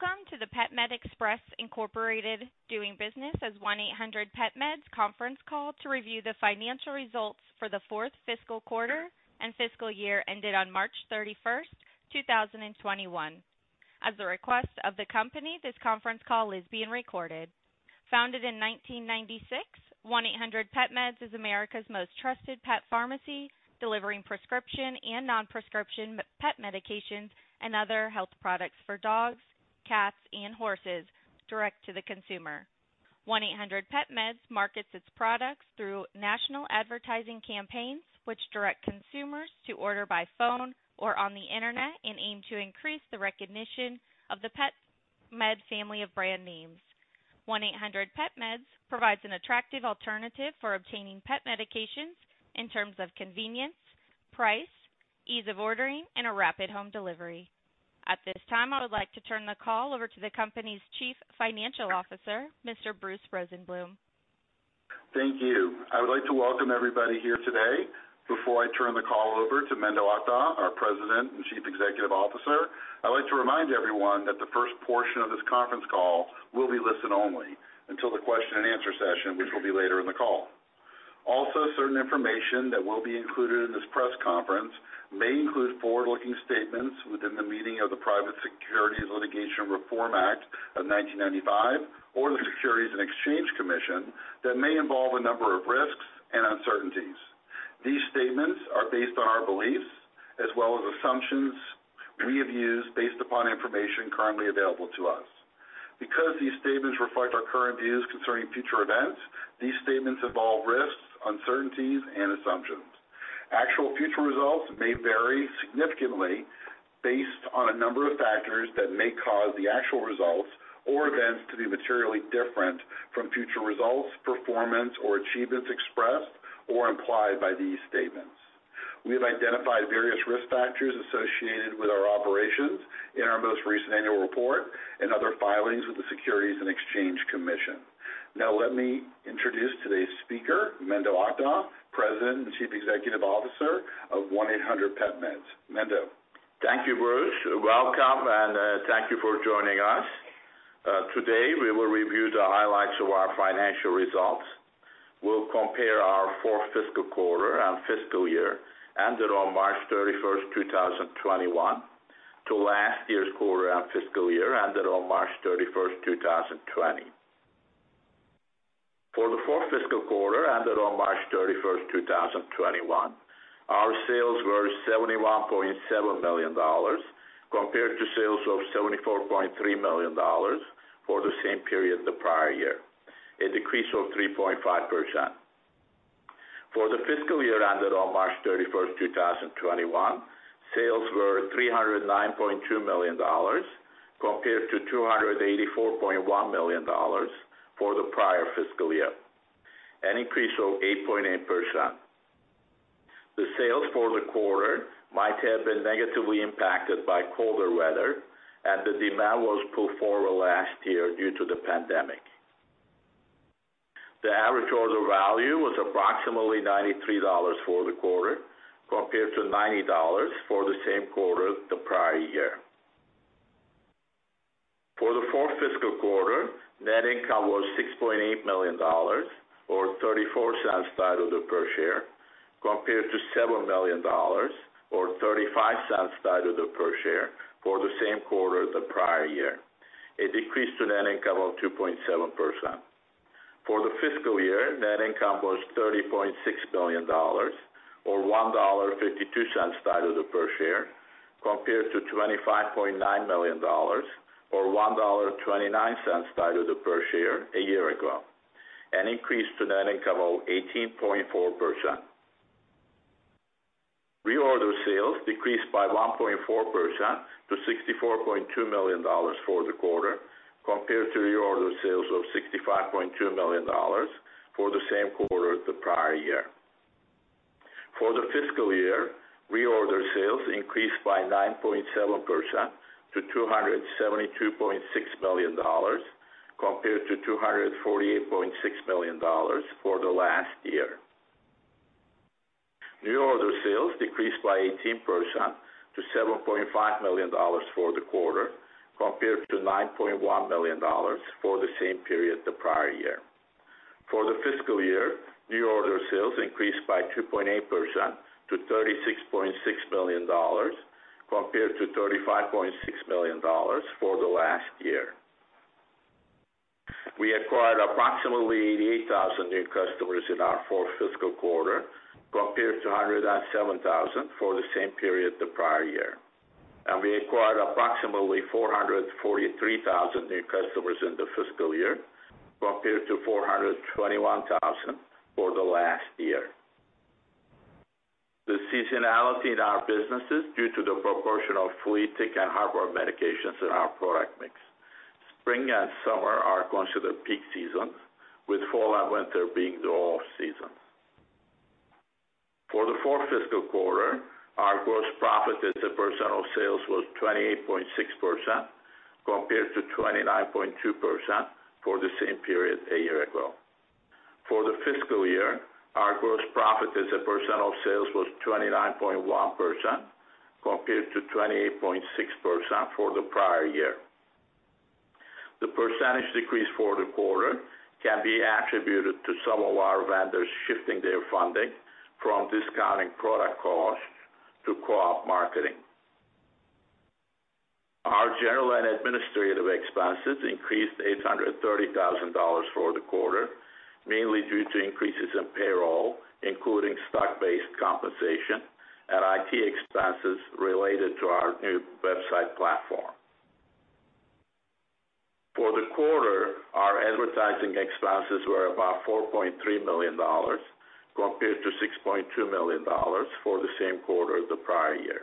Welcome to the PetMed Express Incorporated, doing business as 1-800-PetMeds conference call to review the financial results for the fourth fiscal quarter and fiscal year ended on March 31st, 2021. At the request of the company, this conference call is being recorded. Founded in 1996, 1-800-PetMeds is America's most trusted pet pharmacy, delivering prescription and non-prescription pet medications and other health products for dogs, cats, and horses direct to the consumer. 1-800-PetMeds markets its products through national advertising campaigns, which direct consumers to order by phone or on the Internet, and aim to increase the recognition of the PetMed family of brand names. 1-800-PetMeds provides an attractive alternative for obtaining pet medications in terms of convenience, price, ease of ordering, and a rapid home delivery. At this time, I would like to turn the call over to the company's Chief Financial Officer, Mr. Bruce Rosenbloom. Thank you. I would like to welcome everybody here today. Before I turn the call over to Menderes Akdag, our President and Chief Executive Officer, I'd like to remind everyone that the first portion of this conference call will be listen only until the question and answer session, which will be later in the call. Also, certain information that will be included in this press conference may include forward-looking statements within the meaning of the Private Securities Litigation Reform Act of 1995 or the Securities and Exchange Commission that may involve a number of risks and uncertainties. These statements are based on our beliefs as well as assumptions we have used based upon information currently available to us. Because these statements reflect our current views concerning future events, these statements involve risks, uncertainties, and assumptions. Actual future results may vary significantly based on a number of factors that may cause the actual results or events to be materially different from future results, performance, or achievements expressed or implied by these statements. We have identified various risk factors associated with our operations in our most recent annual report and other filings with the Securities and Exchange Commission. Now let me introduce today's speaker, Menderes Akdag, President and Chief Executive Officer of 1-800-PetMeds. Mendo. Thank you, Bruce. Welcome and thank you for joining us. Today, we will review the highlights of our financial results. We'll compare our fourth fiscal quarter and fiscal year ended on March 31st, 2021 to last year's quarter and fiscal year ended on March 31st, 2020. For the fourth fiscal quarter ended on March 31st, 2021, our sales were $71.7 million compared to sales of $74.3 million for the same period the prior year, a decrease of 3.5%. For the fiscal year ended on March 31st, 2021, sales were $309.2 million compared to $284.1 million for the prior fiscal year, an increase of 8.8%. The sales for the quarter might have been negatively impacted by colder weather and the demand was pulled forward last year due to the pandemic. The average order value was approximately $93 for the quarter compared to $90 for the same quarter the prior year. For the fourth fiscal quarter, net income was $6.8 million, or $0.34 diluted per share, compared to $7 million or $0.35 diluted per share for the same quarter the prior year, a decrease to net income of 2.7%. For the fiscal year, net income was $30.6 million, or $1.52 diluted per share, compared to $25.9 million or $1.29 diluted per share a year ago, an increase to net income of 18.4%. Reorder sales decreased by 1.4% to $64.2 million for the quarter compared to reorder sales of $65.2 million for the same quarter the prior year. For the fiscal year, reorder sales increased by 9.7% to $272.6 million compared to $248.6 million for the last year. New order sales decreased by 18% to $7.5 million for the quarter compared to $9.1 million for the same period the prior year. For the fiscal year, new order sales increased by 2.8% to $36.6 million compared to $35.6 million for the last year. We acquired approximately 88,000 new customers in our fourth fiscal quarter compared to 107,000 for the same period the prior year. We acquired approximately 443,000 new customers in the fiscal year compared to 421,000 for the last year. The seasonality in our business is due to the proportion of flea, tick, and heartworm medications in our product mix. Spring and summer are considered peak seasons, with fall and winter being the off-season. For the fourth fiscal quarter, our gross profit as a percent of sales was 28.6% compared to 29.2% for the same period a year ago. For the fiscal year, our gross profit as a percent of sales was 29.1% compared to 28.6% for the prior year. The percentage decrease for the quarter can be attributed to some of our vendors shifting their funding from discounting product costs to co-op marketing. Our general and administrative expenses increased $830,000 for the quarter, mainly due to increases in payroll, including stock-based compensation and IT expenses related to our new website platform. For the quarter, our advertising expenses were about $4.3 million, compared to $6.2 million for the same quarter the prior year.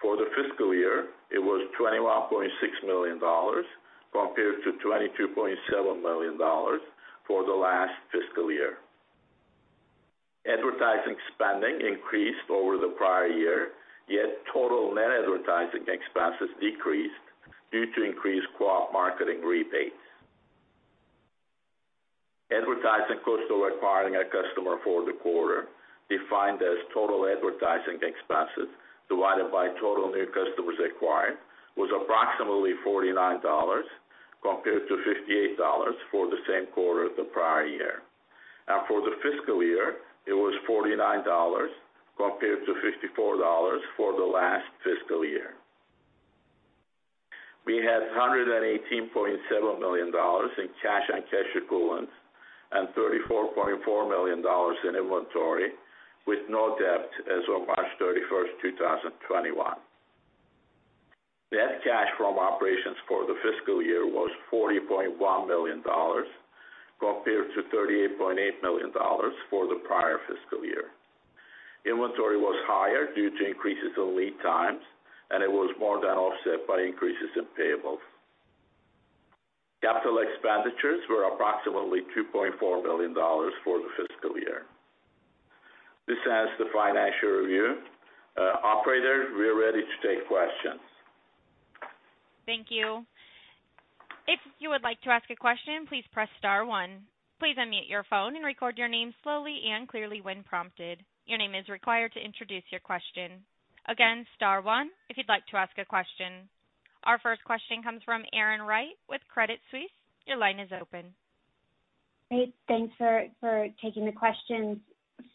For the fiscal year, it was $21.6 million compared to $22.7 million for the last fiscal year. Advertising spending increased over the prior year, yet total net advertising expenses decreased due to increased co-op marketing rebates. Advertising cost of acquiring a customer for the quarter, defined as total advertising expenses divided by total new customers acquired, was approximately $49, compared to $58 for the same quarter the prior year. For the fiscal year, it was $49, compared to $54 for the last fiscal year. We had $118.7 million in cash and cash equivalents and $34.4 million in inventory, with no debt as of March 31st, 2021. Net cash from operations for the fiscal year was $40.1 million compared to $38.8 million for the prior fiscal year. Inventory was higher due to increases in lead times, and it was more than offset by increases in payables. Capital expenditures were approximately $2.4 million for the fiscal year. This ends the financial review. Operator, we are ready to take questions. Thank you. If you would like to ask a question, please press star one. Please unmute your phone and record your name slowly and clearly when prompted. Your name is required to introduce your question. Again, star one if you'd like to ask a question. Our first question comes from Erin Wright with Credit Suisse. Your line is open. Great. Thanks for taking the questions.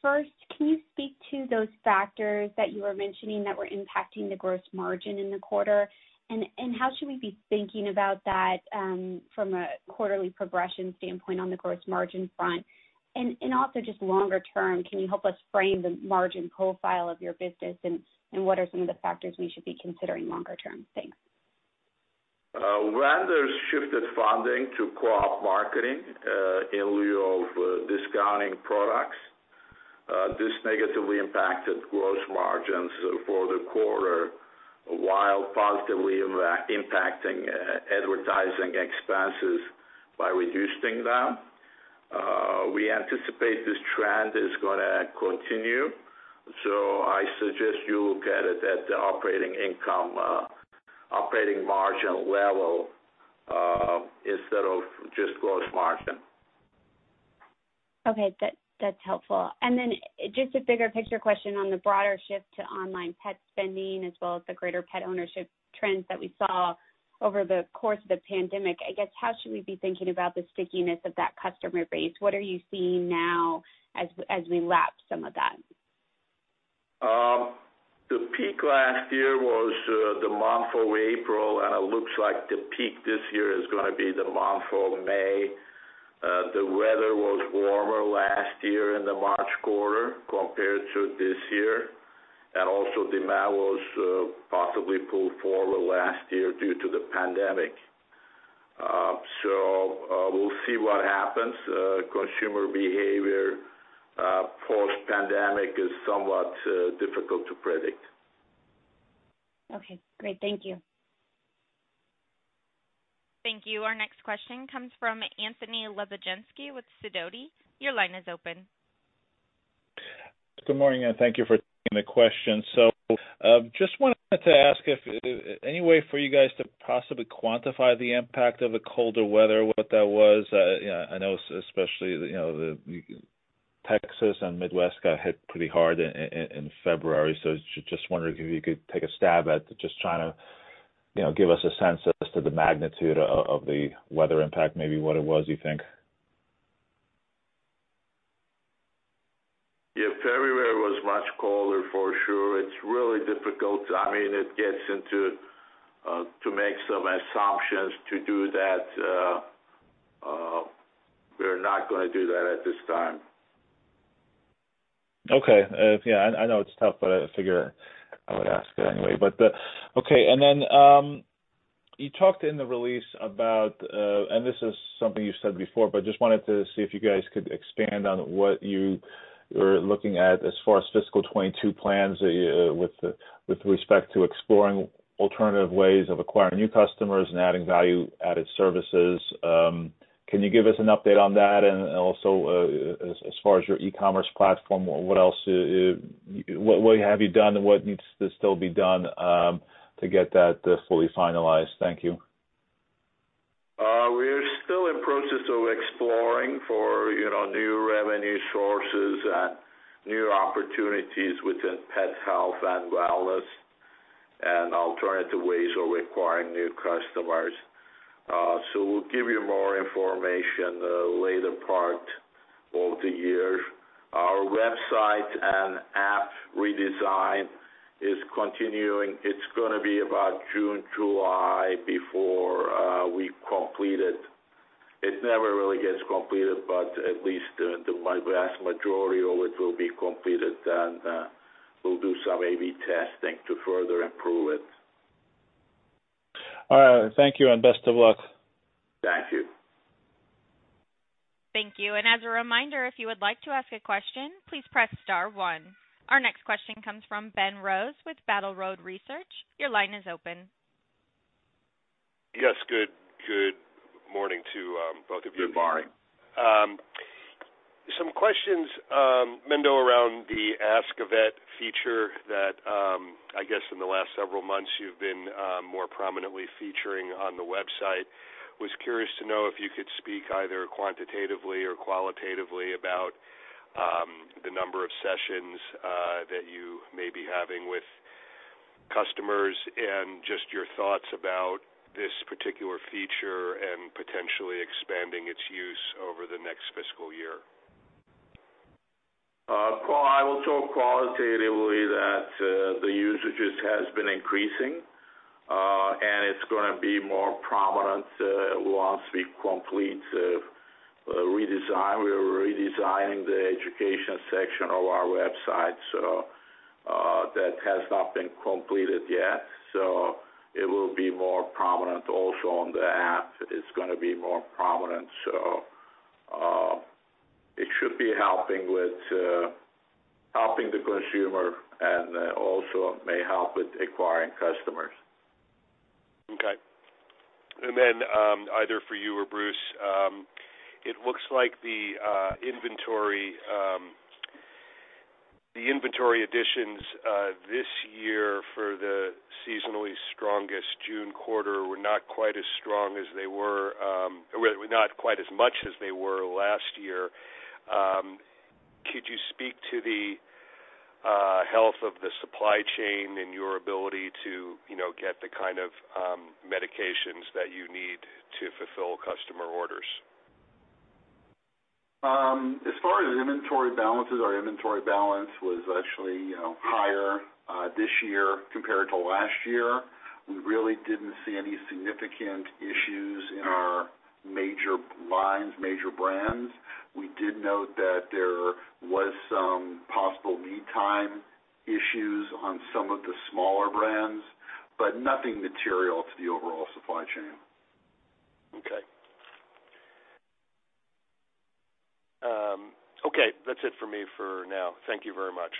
First, can you speak to those factors that you were mentioning that were impacting the gross margin in the quarter? How should we be thinking about that from a quarterly progression standpoint on the gross margin front? Also just longer term, can you help us frame the margin profile of your business, and what are some of the factors we should be considering longer term? Thanks. Vendors shifted funding to co-op marketing in lieu of discounting products. This negatively impacted gross margins for the quarter while positively impacting advertising expenses by reducing them. We anticipate this trend is going to continue, so I suggest you look at it at the operating margin level instead of just gross margin. Okay. That's helpful. Then just a bigger picture question on the broader shift to online pet spending as well as the greater pet ownership trends that we saw over the course of the pandemic. I guess, how should we be thinking about the stickiness of that customer base? What are you seeing now as we lap some of that? The peak last year was the month of April. It looks like the peak this year is going to be the month of May. The weather was warmer last year in the March quarter compared to this year. Also, demand was possibly pulled forward last year due to the pandemic. We'll see what happens. Consumer behavior post-pandemic is somewhat difficult to predict. Okay, great. Thank you. Thank you. Our next question comes from Anthony Lebiedzinski with Sidoti. Your line is open. Good morning, thank you for taking the question. Just wanted to ask if any way for you guys to possibly quantify the impact of the colder weather, what that was? I know especially Texas and Midwest got hit pretty hard in February. Just wondering if you could take a stab at just trying to give us a sense as to the magnitude of the weather impact, maybe what it was, you think. Yeah, February was much colder, for sure. It's really difficult. It gets difficult to make some assumptions to do that. We're not going to do that at this time. Okay. Yeah, I know it's tough, but I figure I would ask anyway. Okay. You talked in the release about, and this is something you've said before, but just wanted to see if you guys could expand on what you were looking at as far as fiscal 2022 plans with respect to exploring alternative ways of acquiring new customers and adding value-added services. Can you give us an update on that? Also, as far as your e-commerce platform, what have you done and what needs to still be done to get that fully finalized? Thank you. We are still in process of exploring for new revenue sources and new opportunities within pet health and wellness, and alternative ways of acquiring new customers. We'll give you more information later part of the year. Our website and app redesign is continuing. It's going to be about June, July before we complete it. It never really gets completed, but at least the vast majority of it will be completed, and we'll do some A/B testing to further improve it. All right. Thank you, and best of luck. Thank you. Thank you. As a reminder, if you would like to ask a question, please press star one. Our next question comes from Ben Rose with Battle Road Research. Your line is open. Yes. Good morning to both of you. Good morning. Some questions, Mendo, around theAsk a Vet feature that, I guess in the last several months, you've been more prominently featuring on the website. Was curious to know if you could speak either quantitatively or qualitatively about the number of sessions that you may be having with customers, and just your thoughts about this particular feature and potentially expanding its use over the next fiscal year. I will talk qualitatively that the usages has been increasing, and it's going to be more prominent once we complete the redesign. We're redesigning the education section of our website, so that has not been completed yet. It will be more prominent also on the app. It's going to be more prominent. It should be helping the consumer, and also may help with acquiring customers. Okay. Either for you or Bruce, it looks like the inventory additions this year for the seasonally strongest June quarter were not quite as much as they were last year. Could you speak to the health of the supply chain and your ability to get the kind of medications that you need to fulfill customer orders? As far as inventory balances, our inventory balance was actually higher this year compared to last year. We really didn't see any significant issues in our major lines, major brands. We did note that there was some possible lead time issues on some of the smaller brands, but nothing material to the overall supply chain. Okay. Okay, that's it for me for now. Thank you very much.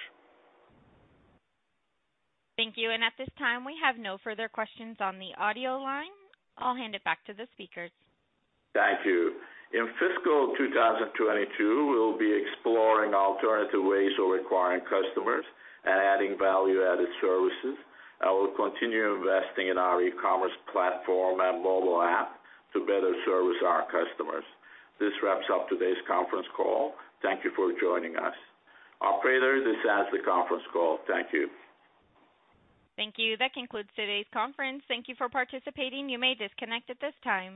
Thank you. At this time, we have no further questions on the audio line. I'll hand it back to the speakers. Thank you. In fiscal 2022, we'll be exploring alternative ways of acquiring customers and adding value-added services, and we'll continue investing in our e-commerce platform and mobile app to better service our customers. This wraps up today's conference call. Thank you for joining us. Operator, this ends the conference call. Thank you. Thank you. That concludes today's conference. Thank you for participating. You may disconnect at this time.